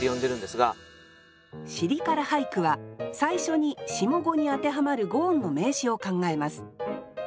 「尻から俳句」は最初に下五に当てはまる五音の名詞を考えます。